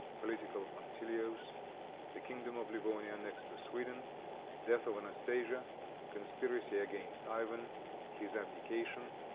Political Punctilios. The Kingdom of Livonia Annexed to Sweden. Death of Anastasia. Conspiracy Against Ivan. His Abdication.